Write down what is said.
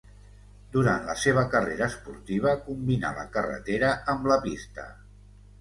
Durant la seva carrera esportiva combinà la carretera amb la pista.